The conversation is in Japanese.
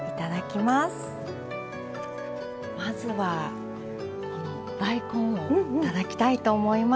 まずは、大根をいただきたいと思います。